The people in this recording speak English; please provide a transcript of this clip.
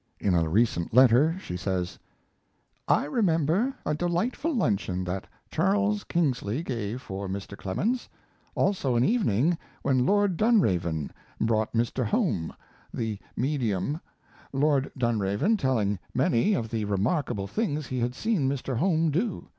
In a recent letter she says: I remember a delightful luncheon that Charles Kingsley gave for Mr. Clemens; also an evening when Lord Dunraven brought Mr. Home, the medium, Lord Dunraven telling many of the remarkable things he had seen Mr. Home do.